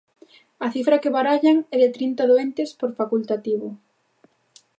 A cifra que barallan é de trinta doentes por facultativo.